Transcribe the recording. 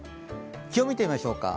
気温を見てみましょうか。